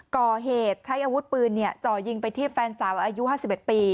ก่อเหตุใช้อาวุธปืนเนี่ยจ่อยยิงไปที่แฟนสาวอายุห้าสิบเอ็ดปี